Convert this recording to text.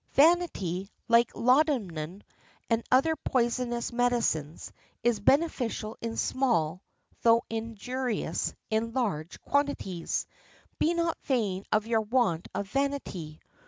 Vanity, like laudanum and other poisonous medicines, is beneficial in small, though injurious in large, quantities. Be not vain of your want of vanity.